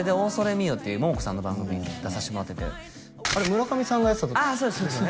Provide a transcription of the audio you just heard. みよ！」というモモコさんの番組出さしてもらっててあれ村上さんがやってたですよね